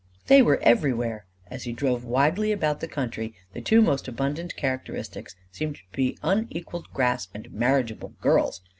They were everywhere! As he drove widely about the country, the two most abundant characteristics seemed to be unequalled grass and marriageable girls.